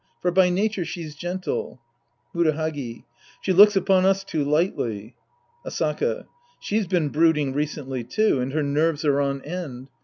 For by nature she's gentle. Murahagi. She looks upon us too lightly. Asaka. She's been brooding recently, too, and her nerves are on end.